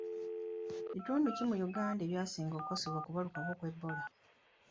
Bitundu ki mu Uganda ebyasinga okukosebwa okubalukawo kwa Ebola?